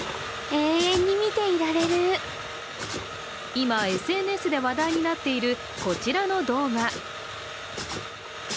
今、ＳＮＳで話題になっているこちらの動画。